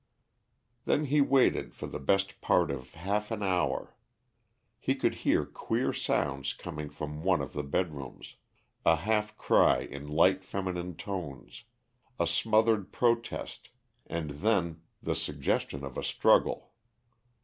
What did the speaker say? Then he waited for the best part of half an hour. He could hear queer sounds coming from one of the bedrooms, a half cry in light feminine tones, a smothered protest and then the suggestion of a struggle.